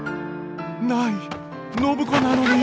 ない暢子なのに。